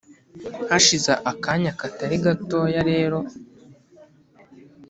hashize akanya katari gatoya rero,